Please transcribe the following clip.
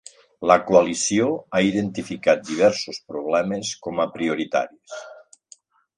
La Coalició ha identificat diversos problemes com a prioritaris.